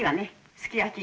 すき焼き。